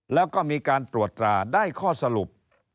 แล้วก็มีการตรวจตราได้ข้อสรุป